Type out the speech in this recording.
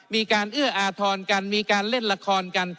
มีการเอื้ออาทรกันมีการเล่นละครกัน